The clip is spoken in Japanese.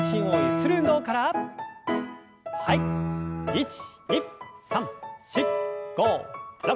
１２３４５６。